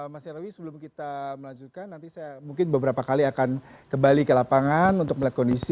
mas yarawi sebelum kita melanjutkan nanti saya mungkin beberapa kali akan kembali ke lapangan untuk melihat kondisi